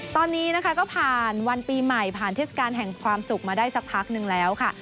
ตอนนี้นะคะก็ผ่านวันปีใหม่ผ่านเทศกาลแห่งความสุขมาได้สักพักนึงแล้วค่ะ